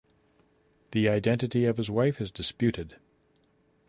The identity of his wife is disputed.